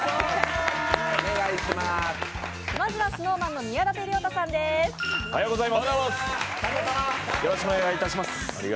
まずはＳｎｏｗＭａｎの宮舘涼太さんです。